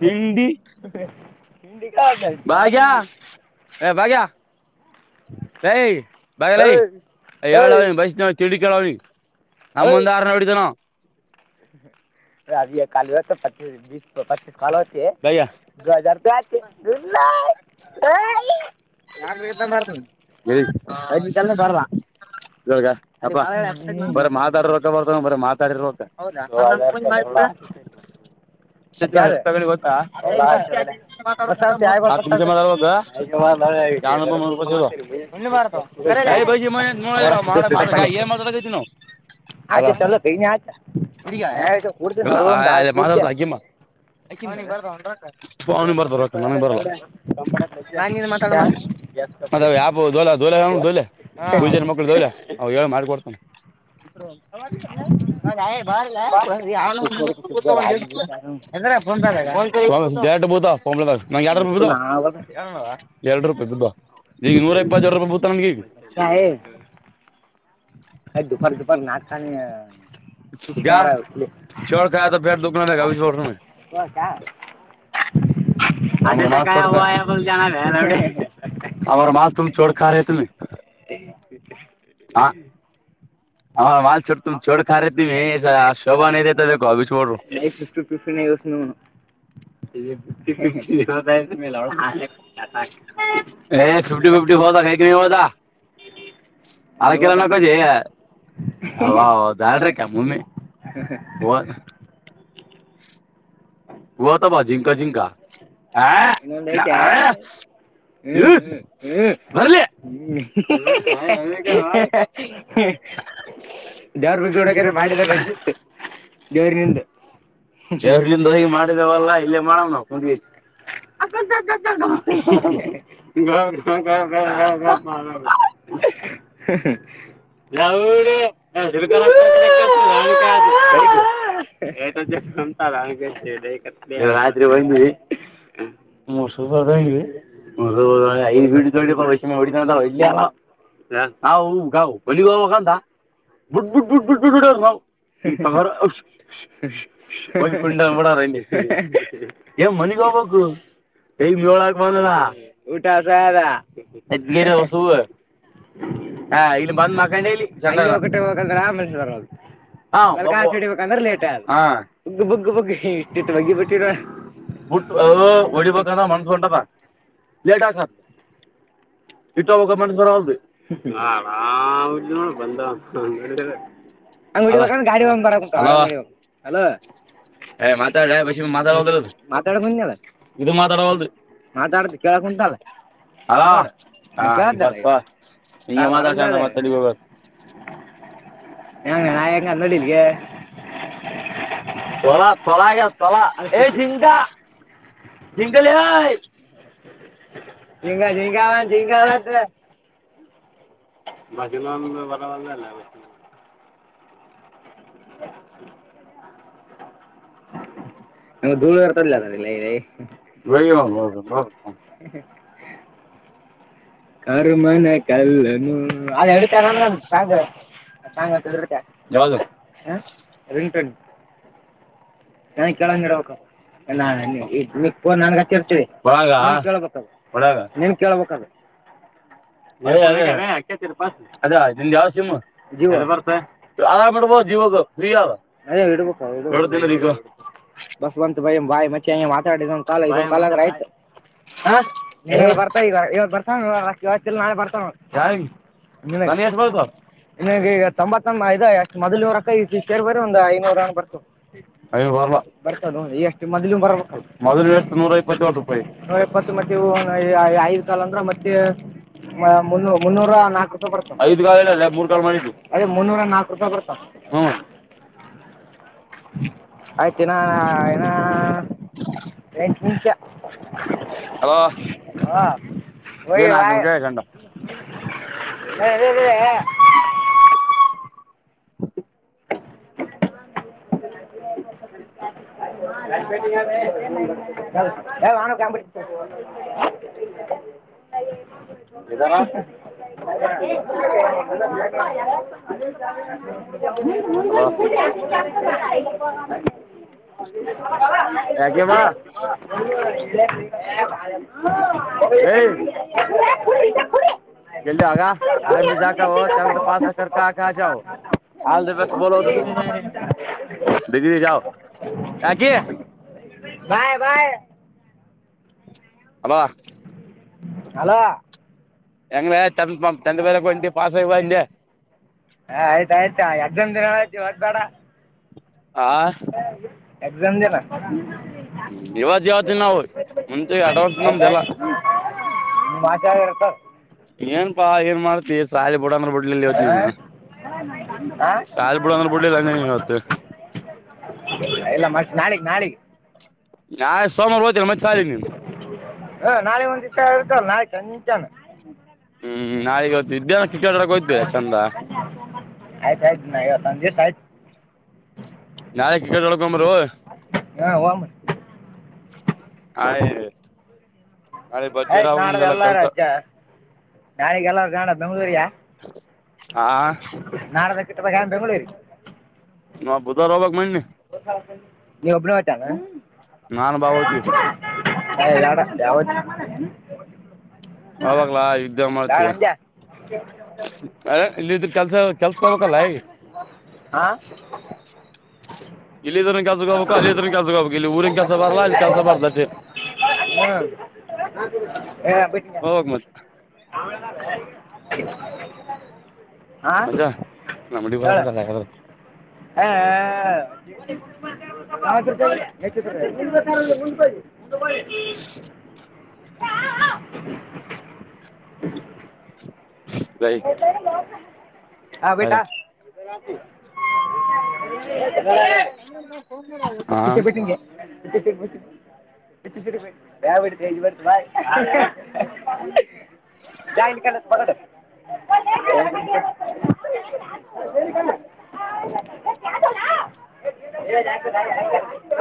ತಿಂಡಿ ಬಾಗ್ಯಾ ಹ ಭಾಗಾ ರೈ ಭಾಗ್ಯಲೆ ಹೇಳಳಾವ ಬ ತಿಂ ಡಿ ಕಳಿ ನಮ್ಮ ಮುಂದ ಹಾರ್ನ್ ಹೊಡೀತಾನೆ ಆವಾ ಪ ಕಾಳ ಹತ್ತಿ ಹ ರಪಿ [unintelligible] [unintelligible] ಅ ಬರೆ ಮಾತಾಡಿದ್ರೆ ರೊಕ್ಕ ಬರ್ತ ಬರೆ ಮಾತಾಡಿದ್ರೆ ರೊಕ್ಕ ಹೌದಾ ಅ ನಮ್ ಫೋನ್ಗೆ ಮಾಡ್ಕೊಡ [unintelligible] [unintelligible] [unintelligible] ಹಲೋ ಹುಡುಗ್ಯ [unintelligible] ಅವನು ಬರುತ್ತಾವ ರೊಕ್ಕ ಅವನಿಗೆ ಬರುತ್ತೇ ರೊಕ್ಕ ನನಿಗೆ ಬರಲ್ಲ ನಾನು ನೀನು ಮಾಡ [unintelligible] ಅದ ಯಪು ದಲ ದೋಲ ದೊಲೆ ಪೂಜಾರಿ ಮಕ್ಕಳು ಅದವ ದಲೊ ಅವ ಹೇಳು ಮಾಡಕೊಡ್ತಾನ [unintelligible] [unintelligible] ತ್ ನಂ ಯಾರಾರ ಬ [unintelligible] ಎರಡು ರೂಪಾಯಿ ಬುವ ಈಗ ನೂರ ಇಪ್ಪತ್ತೆ ರಡು ರೂಪಾಯಿ ಬೂಳ್ತಾ ನನ್ಗ ಈಗ [unintelligible] [unintelligible] [inaudible] [unintelligible] [unintelligible] ಆ [unintelligible] [unintelligible] [unintelligible] ಏ ಫಿಫ್ಟಿ ಫಿಫ್ಟಿ [unintelligible] [unintelligible] [unintelligible] ಹ್ಮ ಹ್ಮ ಹ್ಮ ಬರ್ಲಿ [unintelligible] ಇಲ್ಲಿಂದ ಹೋಗಿ ಮಾಡಿದಿವಲ್ಲ ಇಲ್ಲೇ ಮಾಡವ್ ನಾವು ಕುಂದಿ [unintelligible] [unintelligible] [unintelligible] [unintelligible] ರಾತ್ರಿ ಒಂದು [unintelligible] ನಾವುಗಾವು [unintelligible] ಅಂತ [unintelligible] ಏ ಮನಿಗ್ ಹೋಗಬೇಕು ಟೈಮ್ ಏಳ ಆಗಕ ಬಂದಿದ ಊಟ. [unintelligible] ಹಾ ಇಲ್ಲಿ ಬಂದ್ ಮಾಡ [unintelligible] ಹಾ ಕಿಡಿಬೇಕಂದ್ರೆ ಲೇಟ್ ಆ ಬಗ್ ಬಿ ಇಷ್ಟಿ ಇಟ್ಟ ಬಗಿ ಬೇಕು ಬಿಟ್ಟಿ ಹೊಡಿಬೇಕದ ಮನ್ಸು ಹೊಂಟದ ಲೇಟಾಕದ ಬಿಟ್ಟು ಹೋಗಾಕ ಮನ್ಸ್ ಬರುವಲ್ದು ಇ ನೋಡ್ ಬಂದ ಹಂಗ್ ಬಿಡಿಬೇಕು ಅಂದ್ರ ಗಾಡಿ ಬರಲ ಏ ಮಾತಾಡ್ಲೇ ವಾಸಿಮ್ ಮಾತಾಡ್ವಲ್ದು ಮಾತಾಡ್ ಬಂದ್ನಲ ಇದು ಮಾತಾಡ್ವಲ್ದು ಮಾತಾಡ್ದು ಕೇಳಕಂಟಲ್ಲ [unintelligible] [inaudible] ನಾ ಹೆಂಗ ಅಲಡಿಲ್ಲದೆ ತೊಲಾ ತೊಲಾಗ ತೊಲಾ ಏ ಜಿಂಕಾ [unintelligible] ಂಗ ಿಂಗಾವ ಗಾವತ [unintelligible] ಬರ್ಸಂಗ ಬರಲ್ಲ ಅಲ್ಲ [unintelligible] [unintelligible] [inaudible] ಧಳವ ತಲತ ಲ [unintelligible] [unintelligible] ಅವು ಎರಡು ತಗೊಳೋಣ ಸಾಕು [unintelligible] ಯಾವ್ದು ಏ ಕೇಳಂಗ ಇಡಬೇಕ [unintelligible] ನನ್ಗ್ ಹಚ್ಚಿ ಇರ್ತೀರಿ ಕಬೇಕ ನಿನ್ ಕೇಳಳ್ಬೇಕಾದ [unintelligible] [inaudible] [unintelligible] ನಿಂದ್ ಯಾವ ಸಿಮ್ ಜಿಯೋ ಬರ್ ಆರಾಮ್ ಇಡ್ಬೋದು ಇ ಫ್ರೀ ಅದು ಇಡಬೇಕು ಇಡಬೇಕು ಬಸ್ವಂತ ಭ ಭಾಯಿ ಮೆ ಮಾತಾಡ ಇದ ಕಾಲ ಇದ ಕಾಲ ಆಯತು ಹಾ ನಿ ಬರ್ತ ಇ ಇವ ಬರ್ತಾವ ಇವತ್ತ ಇ ನಾಳೆ ಬರ್ತಾವ ನಿ [unintelligible] ನಿಮಗೆ ಈಗ ತೊಂಬತ್ತಂದ ಎಷ್ಟ್ ಮೊದ್ನೂರಕ್ಕ ಈ ಸೇರ್ ಬರ ಒಂದು ಐನೂರ ಬರ್ಕೋ ಐನೂರು ಬರಲ್ಲ ಬರ್ತದೆ ನೋಡ್ರಿ ಈ ಎಷ್ಟು ಮೊದಲು ಬರರ್ತ ಮೊದಲು ಎಷ್ಟು ನೂರಾಯಿಪ್ಪತ್ತ್ತೆ ತೂ ಯಾಯಿನ ಕಾಲ ಅಂದ್ರ ಮತ್ತೆ [unintelligible] ಮು ಮುನ್ನೂರ ನಾಲ್ಕು ರೂಪಾಯಿ ಬರ್ತ ಐದ ಕ ಅದೇ [unintelligible] ಮುನ್ನೂರ ನಲ್ಕು ರೂಪಾಯಿ ಬರ್ಕೋ ಹ್ಮ್ [inaudible] ಹ [inaudible] ಆಯ್ತುನಾ ಏನ ಎ ಮುಂಚ ಹ ಹ [unintelligible] [inaudible] ಏನ್ [unintelligible] ನಿಮಿಷ ಚಂಡ ಹ [unintelligible] ಹ [inaudible] [unintelligible] ನಾನ ಕ [unintelligible] [unintelligible] [unintelligible] [unintelligible] [unintelligible] [unintelligible] ಯಾಗಮ್ಮ [unintelligible] [unintelligible] [unintelligible] ಹದ ಬ ಬಲೋ ದದಿ ಜಾವ ಯ [unintelligible] [unintelligible] ಬಾಯ್ ಬಾಯ್ ಹಲೋ ಹಲೋ [unintelligible] ಎಂಗ ತ ಪೇರೆ ವ ಪಾಸ್ಐ ಅ [unintelligible] ಬೇಡ ಆ ಎಕ್ಸಾಮ ದಿನ ಇವಾಜ್ ಯವತ್ತ ನಾವು್ ಮುಂಚೆ ಅಡ್ವಾನ್ಸ್ ನಮ್ದ ಎಲ್ಲ ಏನ್ಪಾ ಏನ್ ಮಾಡತಿ ಹಾ ಆ [unintelligible] [unintelligible] ಎಲ್ಲ ಮ ನಾಳಗ್ ನಾಳಗ್ ನಾ ಸೋಮಾರ ಹ್ ಮತ್ತೆ ಹ ನಾಳೆ ಒಂದ್ ದಿಸಾ ಇತಲ್ಲ ನಾಳೆ ಚಂಚನ [unintelligible] ಆಯ್ತ ಆಯ್ತ ನ ಸಂಜೆ ಸಾಯತ್ ನಾಯ ಕ ಒಳ್ಕೊಂಬರು ಹಾ ಹಮ್ಮ [unintelligible] ಹಯ ಆಯ್ತ್ ನಾಡದ ಎಲ್ಲ ರಜ ನಾಡಿಗೆಲ್ಲ ನಾಡ ಬೆಂಗ್ಳೂರಿ ಯ ನಾಡದ ಬೆಂಗಳೂರಿಗಿ ನ ಬುದವಾರ ಹೋಗ್ಬೇಕ್ ಅಂತ ಮಡಿನ್ ನೀ ಒಬ್ಬನ ವತಾನ ನಾನ ಭಾವ ಹೋತೀವಿ ಹ ಯಡ ಯಾವ [unintelligible] ಬಂಜ ಅ ಇಲ್ಲ ಇದ್ರ ಕೆಲ್ಸ ಕೆಲ್ಸಕೋಬೇಕಲ್ಲ ಯ ಆ ಇಲ್ಲಿ ಇದ್ರನ್ ಕೆಲ್ಸಕ್ಕೆ ಹೋಗ್ಬೇಕು ಅಲ್ಲಿ ಇದ್ರನ್ ಕೆಲ್ಸಕ್ಕೆ ಹೋಗ್ಬೇಕು ಇಲ್ಲಿ ಊರಿನ್ ಕೆಲಸ ಬರ್ಲ್ಲಾ ಅಲ್ಲಿ ಕೆಲ್ಸ ಬರ್ತದ ಷ್ಟೆ [unintelligible] ಆ ನಂಬಡಿ ಬರಕದಲ್ಲ ಯಾರರು ಹ ಸಗ ಹ [unintelligible] ಎ ಪೇರ ಮಾತ್ರ ಹಾ ಬೇಟಾ ಪಿಚೆ ಬಿಟ್ಟಿನಿಂಗೆ ಹೇ [unintelligible] ಜಾಯಿನ್ ಕ ಬರೋಡ [unintelligible] [unintelligible] [unintelligible]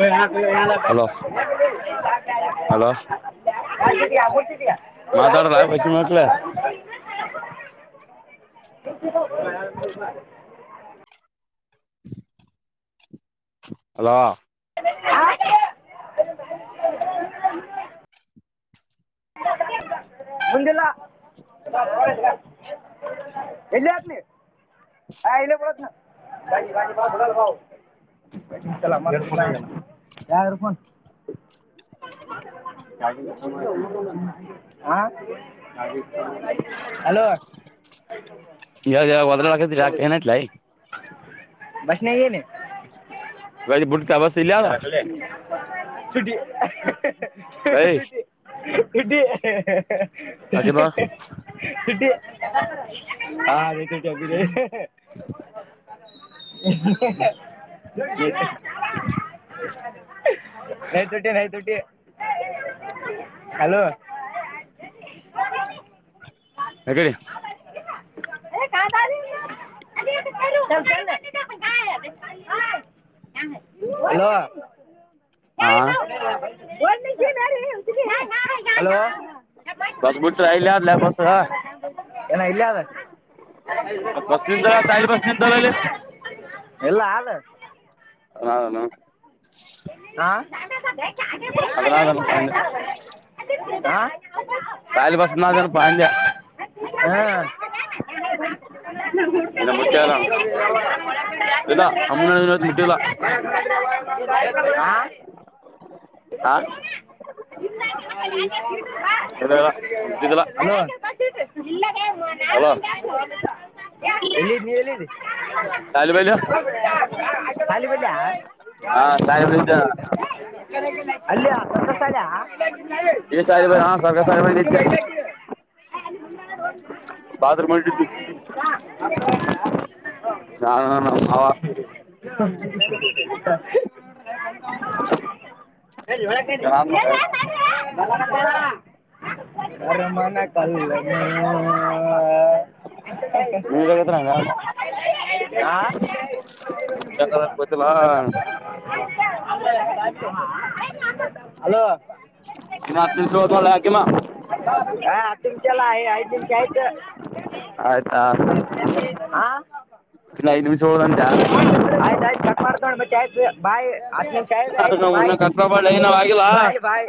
ಮಾಡಿದಯಾ ಮೂಡ್ತಿದಯಾ [unintelligible] ಮಾತಾಡ ಲಾಗದ [unintelligible] [unintelligible] ಅಲೋ ಹಾ [unintelligible] ಮುಂದಿಲ್ಲ ಎಲ್ಲಿತನ ಹ ಇ ಪ ಯಾರಾರಫನ್ ಹ ಹಲೋ [unintelligible] ಬಸ್ನೆನೆ ಹೊಳ್ಳಿ ಭಿತತಿ ಬಸ್ ಇಲ್ಲೇ ಅದ ಟ [unintelligible] ಲೈ ಟ ಇಟ ಹ ಹ ರತ ಚಗ [unintelligible] [unintelligible] ಹ [unintelligible] ನೈ ತುಟ್ಟಿ ನೈ ತುಟ್ಟಿ ಹಲೋ ಹಗ ಅ [unintelligible] [unintelligible] [unintelligible] ಏನ ಇಲ್ಲಿ ಅ ಎಲ್ಲ ಹಾಳ ಹಲೋ ಹ ನಾ ಬ [unintelligible] ಅಲ್ಲಾ ಪಾ ಅಂದೇ ಸಹಲ್ಲಿ ಬಸ್ ಪಾ ಹಂದ ಹ ಹ [unintelligible] ಹಾ ಹಾ ಹ [unintelligible] ಹಲ್ಲ ಮುದ್ದಿದ್ದಲ್ಲ ಇಲ್ಲ ಆ [unintelligible] ಎಲ್ಲಿ ನೀ ಎಲ್ಲಿದಿ ಬ ಅಲ್ಲಿಯ ಸರ್ಕಲ್ ಶಳೆಯ [inaudible] [unintelligible] [inaudible] [unintelligible] ಹ ಹ ಹ [unintelligible] [unintelligible] ಅ ಮಾನ ಕ [unintelligible] [inaudible] [unintelligible] ಹ ಸರಿ ಅಪ್ಪ ಅಲೋ ಇನಾ ಹತ್ತು ದಿವಸ ಉಳಿದ ಅಜಿಮ್ ಹ ಆತ್ತು ನಿಮಷಲ್ಲ ಐದು ನಿಮಷ ಆಯತ ಹಾ ಆಯ್ತ ಆಯ್ತು ಕಟ್ ಮಾಡ್ಕೊಂಡ ಬೆ ಆಯ್ತು ಬಾಯ್ ಆ ಶಾಯದ ಆಯ್ತು ಬಾಯ್ ಬಾಯ್ ಬಾಯ್